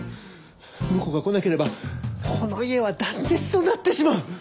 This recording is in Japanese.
婿が来なければこの家は断絶となってしまう！